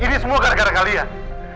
ini semua gara gara kalian